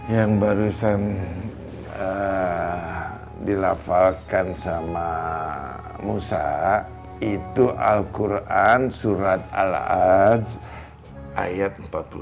yang barusan dilafalkan sama musa itu al quran surat al az ayat empat puluh lima